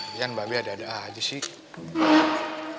biarin babi ada ada aja sih